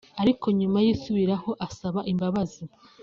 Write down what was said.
ariko nyuma yisubiraho asaba imbabazi